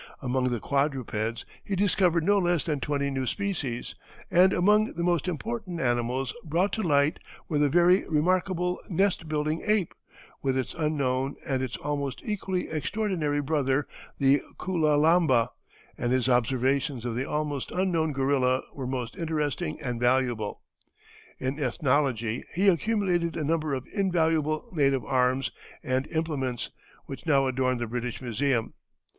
Among the quadrupeds, he discovered no less than twenty new species, and among the most important animals brought to light were the very remarkable nest building ape, with its unknown and its almost equally extraordinary brother the koo loo lamba, and his observations of the almost unknown gorilla were most interesting and valuable. In ethnology he accumulated a number of invaluable native arms and implements, which now adorn the British Museum.